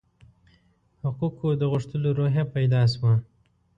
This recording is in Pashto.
حقوقو د غوښتلو روحیه پیدا شوه.